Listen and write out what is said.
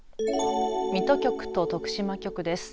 水戸局と徳島局です。